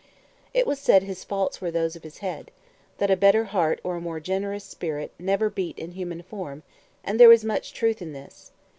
It was said his faults were those of his head; that a better heart or a more generous spirit never beat in human form; and there was much truth in this.